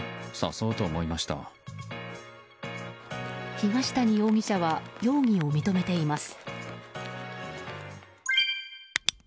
東谷容疑者は容疑を認めています。